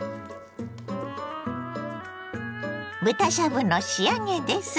豚しゃぶの仕上げです。